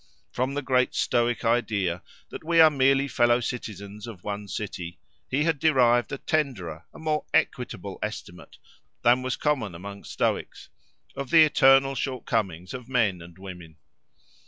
From the great Stoic idea, that we are all fellow citizens of one city, he had derived a tenderer, a more equitable estimate than was common among Stoics, of the eternal shortcomings of men and women.